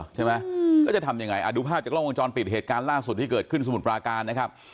ใช่ไหมก็จะทำยังไงอ่ะดูภาพจากล้องวงจรปิดเหตุการณ์ล่าสุดที่เกิดขึ้นสมุทรปราการนะครับ